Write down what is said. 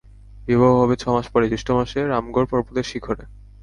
বিবাহ হবে ছ মাস পরে, জ্যৈষ্ঠমাসে, রামগড় পর্বতের শিখরে।